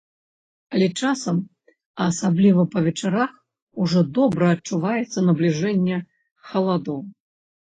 Але часам, а асабліва па вечарах ужо добра адчуваецца набліжэнне халадоў.